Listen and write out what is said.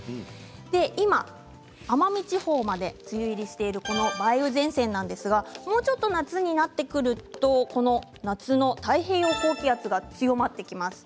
今、奄美地方まで梅雨入りしているこの梅雨前線なんですがもうちょっと夏になってくると夏の太平洋高気圧が強まってきます。